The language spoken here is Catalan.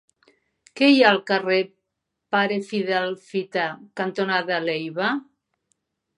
Què hi ha al carrer Pare Fidel Fita cantonada Leiva?